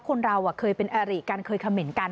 คนเราอ่ะเคยเป็นแอรี่กันเคยเขมินกัน